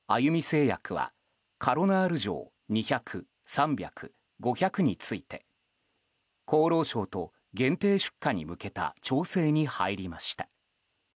製薬は、カロナール錠２００・３００・５００について厚労省と限定出荷に向けた調整に入りました。